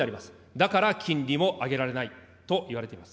だから、金利も上げられないといわれています。